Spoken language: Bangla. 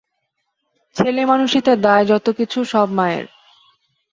ছেলেমানুষিতে দায় যত-কিছু সব মায়ের।